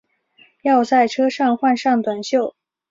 要在车上换上短袖